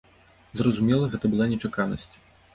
Зразумела, гэта была нечаканасць.